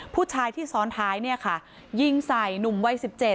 ผู้ชายที่ซ้อนท้ายเนี่ยค่ะยิงใส่หนุ่มวัย๑๗